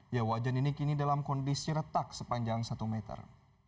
ya wajan ini kini dalam kondisi retak sepanjang satu meter